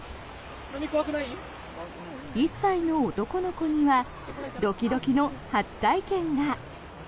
１歳の男の子にはドキドキの初体験が。